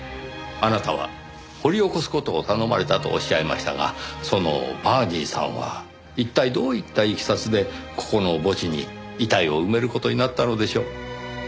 あなたは掘り起こす事を頼まれたとおっしゃいましたがそのバーニーさんは一体どういったいきさつでここの墓地に遺体を埋める事になったのでしょう？